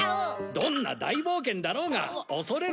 どんな大冒険だろうが恐れるボクではない！